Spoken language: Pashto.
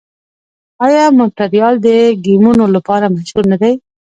آیا مونټریال د ګیمونو لپاره مشهور نه دی؟